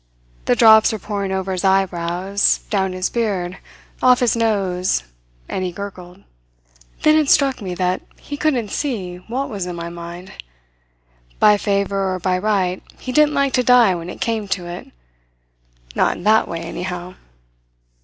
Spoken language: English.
The drops were pouring over his eyebrows, down his beard, off his nose and he gurgled. Then it struck me that he couldn't see what was in my mind. By favour or by right he didn't like to die when it came to it; not in that way, anyhow.